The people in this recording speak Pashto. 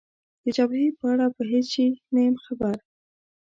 د جبهې په اړه په هېڅ شي نه یم خبر.